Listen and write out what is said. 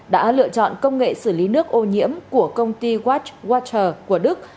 đã lựa chọn công nghệ xử lý nước ô nhiễm của công ty watchwater của đức